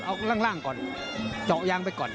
เอาล่างก่อนเจาะยางไปก่อน